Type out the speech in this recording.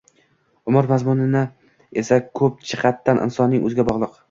Umr mazmuni esa ko’p jihatdan insonning o’ziga bog’liq.